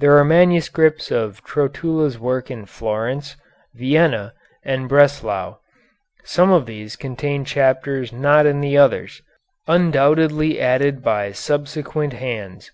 There are manuscripts of Trotula's work in Florence, Vienna, and Breslau. Some of these contain chapters not in the others, undoubtedly added by subsequent hands.